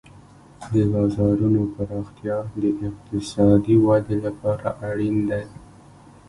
د بازارونو پراختیا د اقتصادي ودې لپاره اړین دی.